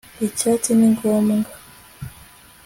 icyatsi ni ngombwa